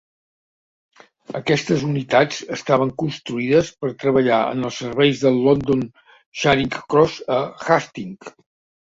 Aquestes unitats estaven construïdes per treballar en els serveis de London Charing Cross a Hastings.